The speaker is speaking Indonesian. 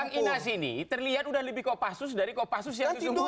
jadi bang inas ini terlihat udah lebih kopasus dari kopasus yang sesungguhnya